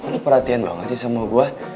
perlu perhatian banget sih sama gue